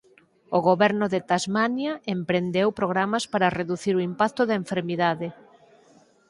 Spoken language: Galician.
O goberno de Tasmania emprendeu programas para reducir o impacto da enfermidade.